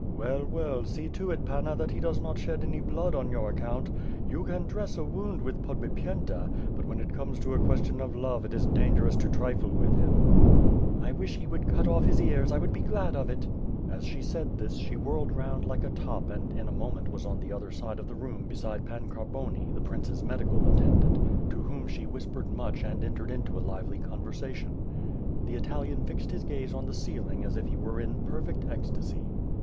"Well, well, see to it, Panna, that he does not shed any blood on your account. You can dress a wound with Pod bipyenta, but when it comes to a question of love it is dan gerous to trifle with him/' "I wish he would cut off his ears, I would be glad of it. As she said this, she whirled round like a top and in a moment was on the other side of the room beside Pan Car boni the prince*s medical attendant, to whom she whispered WITH FIRE AND SWORD, 529 much and entered into a lively conversation. The Italian fixed his gaze on the ceiling as if he were in perfect ecstasy.